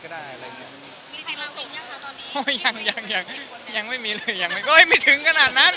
เขายิ่งวิทยุการนี้ยังไม่มียังไม่มีไม่ถึงกรณะนั้น